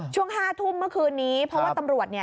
ช่วง๕ทุ่มเมื่อคืนนี้เพราะว่าตำรวจเนี่ย